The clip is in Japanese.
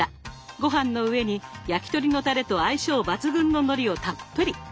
ごはんの上に焼き鳥のたれと相性抜群ののりをたっぷり。